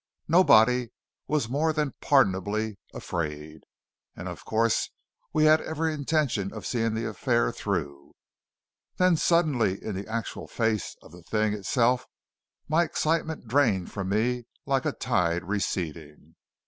Nobody was more than pardonably afraid, and of course we had every intention of seeing the affair through. Then suddenly in the actual face of the thing itself my excitement drained from me like a tide receding.